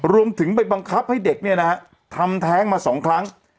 รวมถึงไปบังคับให้เด็กเนี่ยนะฮะทำแท้งมา๒ครั้ง